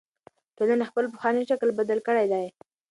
ټولنې خپل پخوانی شکل بدل کړی دی.